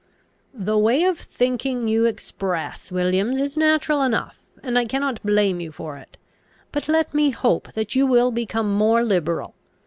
"The way of thinking you express, Williams, is natural enough, and I cannot blame you for it. But let me hope that you will become more liberal.